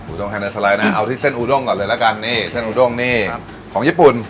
ด้งให้ในสไลด์นะเอาที่เส้นอูด้งก่อนเลยละกันนี่เส้นอูด้งนี่ของญี่ปุ่น